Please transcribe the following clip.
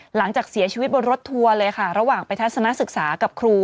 หลังจากเสียชีวิตบนรถทัวร์เลยค่ะระหว่างไปทัศนศึกษากับครู